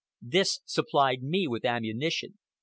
This supplied me with ammunition.